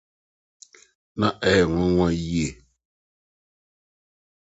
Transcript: Na ɛyɛ nwonwa yiye!